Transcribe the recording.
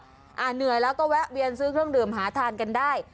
เหนื่อยแล้วก็แวะเวียนซื้อเครื่องดื่มหาทานกันได้